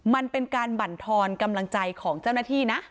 มันเป็นการบรรทอนกำลังใจของเจ้าหน้าที่นะ